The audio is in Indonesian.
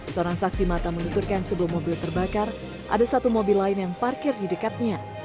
seorang saksi mata menuturkan sebelum mobil terbakar ada satu mobil lain yang parkir di dekatnya